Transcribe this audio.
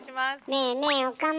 ねえねえ岡村。